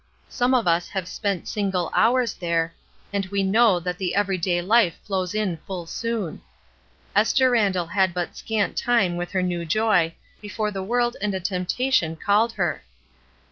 Some of us have spent single hours there, and we know that the everyday Ufe flows in full soon. Esther Randall had but scant time with her new joy before the world and a temptation called her.